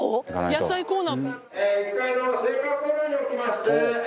野菜コーナー。